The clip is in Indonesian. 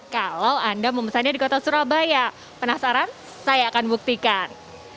kalau anda memesannya di kota surabaya penasaran saya akan buktikan